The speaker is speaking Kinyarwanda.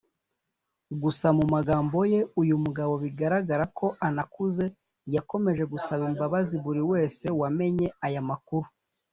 gusa mu magambo ye uyu mugabo bigaragara ko anakuze yakomeje gusaba imbabazi buri wese wamenye aya makuru